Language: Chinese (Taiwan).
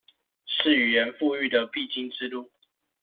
是語言復育的必經之路